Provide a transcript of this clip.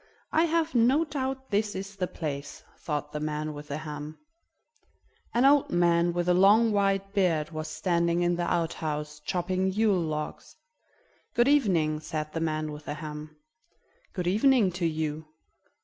"I have no doubt this is the place," thought the man with the ham. An old man with a long white beard was standing in the outhouse, chopping Yule logs. "Good evening," said the man with the ham. "Good evening to you.